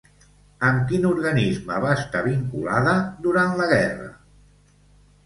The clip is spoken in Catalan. Amb quin organisme va estar vinculada durant la Guerra?